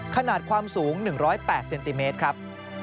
ขนาดความสูง๑๐๘เซนติเมตรครับ